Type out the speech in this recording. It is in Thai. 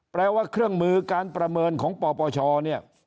แปลว่าเครื่องมือการประเมินของปปชเนี่ย